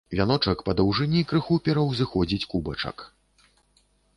Вяночак па даўжыні крыху пераўзыходзіць кубачак.